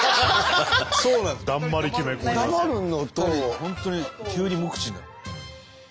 本当に急に無口になる。